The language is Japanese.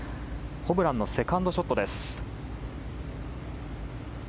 ホブランのセカンドショットです。